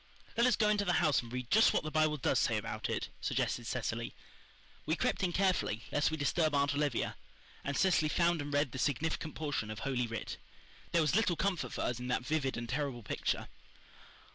"Let us go into the house and read just what the Bible does say about it," suggested Cecily. We crept in carefully, lest we disturb Aunt Olivia, and Cecily found and read the significant portion of Holy Writ. There was little comfort for us in that vivid and terrible picture.